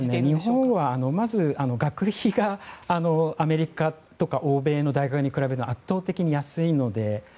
日本はまず、学費がアメリカとか欧米の大学に比べると圧倒的に安いので。